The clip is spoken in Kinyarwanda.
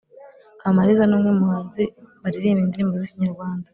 kamariza numwe muhanzi baririmba indirimbo zikinyarwanda